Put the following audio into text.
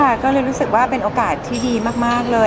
ค่ะก็เลยรู้สึกว่าเป็นโอกาสที่ดีมากเลย